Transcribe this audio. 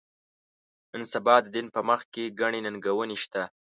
نن سبا د دین په مخ کې ګڼې ننګونې شته.